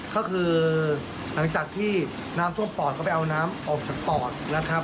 ก็คือหลังจากที่น้ำท่วมปอดก็ไปเอาน้ำออกจากปอดนะครับ